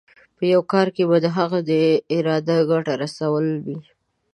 په یو کار کې به د هغوی اراده ګټه رسول وي.